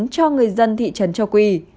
cho người dân thị trấn châu quỳ